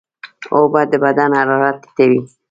اوبه د بدن حرارت ټیټوي.